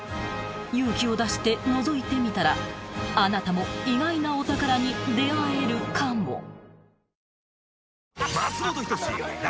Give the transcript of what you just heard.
［勇気を出してのぞいてみたらあなたも意外なお宝に出合えるかも］